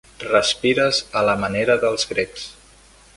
Respires a la manera dels grecs.